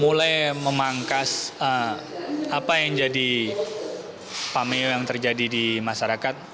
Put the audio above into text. mulai memangkas apa yang jadi pameo yang terjadi di masyarakat